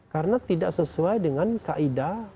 karena tidak sesuai dengan kaida